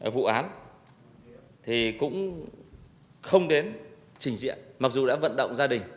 vụ án thì cũng không đến trình diện mặc dù đã vận động gia đình